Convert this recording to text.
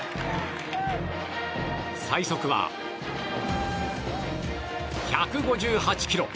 最速は１５８キロ。